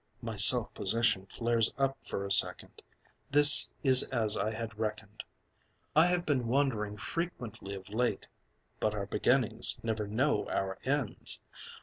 My self possession flares up for a second; This is as I had reckoned. "I have been wondering frequently of late (But our beginnings never know our ends!)